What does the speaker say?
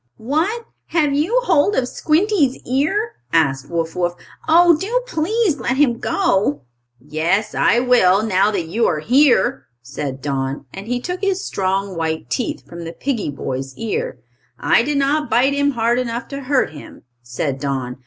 "What! Have you hold of Squinty's ear?" asked Wuff Wuff. "Oh, do please let him go!" "Yes, I will, now that you are here," said Don, and he took his strong, white teeth from the piggy boy's ear. "I did not bite him hard enough to hurt him," said Don.